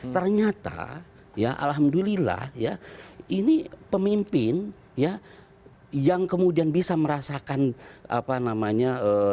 ternyata ya alhamdulillah ya ini pemimpin ya yang kemudian bisa merasakan apa namanya